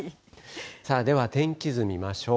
さあ、では天気図見ましょう。